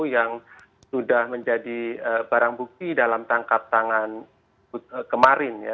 yang sudah menjadi barang bukti dalam tangkap tangan kemarin ya